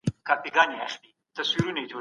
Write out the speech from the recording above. ولې ځيني خلګ له ټولني ګوښه پاته کېږي؟